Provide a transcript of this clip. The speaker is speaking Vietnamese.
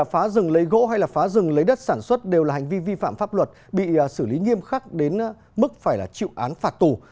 phá rừng lấy gỗ hay phá rừng lấy đất sản xuất đều là hành vi vi phạm pháp luật bị xử lý nghiêm khắc đến mức phải là chịu án phạt tù